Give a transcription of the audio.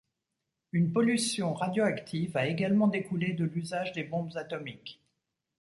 Une pollution radioactive a également découlé de l'usage des bombes atomiques.